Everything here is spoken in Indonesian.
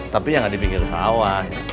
tapi ya nggak di pinggir sawah